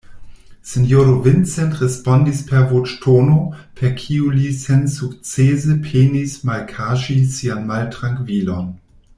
Sinjoro Vincent respondis per voĉtono, per kiu li sensukcese penis malkaŝi sian maltrankvilon: